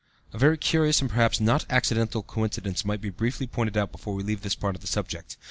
A very curious and perhaps not accidental coincidence might be briefly pointed out before we leave this part of the subject.